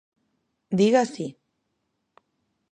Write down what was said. Diga, si.